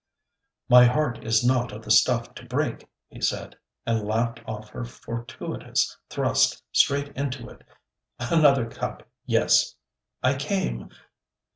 'My heart is not of the stuff to break,' he said, and laughed off her fortuitous thrust straight into it. 'Another cup, yes. I came...'